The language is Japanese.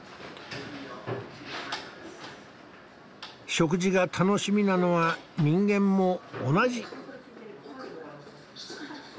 食事が楽しみなのは人間も同じ。